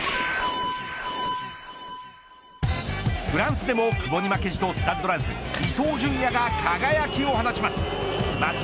フランスでも久保に負けじとスタッドランス伊東純也が輝きを放ちます。